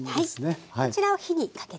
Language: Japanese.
こちらを火にかけて。